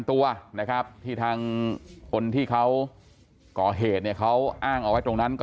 ตัวนะครับที่ทางคนที่เขาก่อเหตุเนี่ยเขาอ้างเอาไว้ตรงนั้นก็